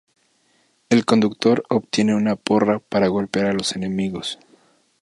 El Conductor obtiene una porra para golpear a los enemigos.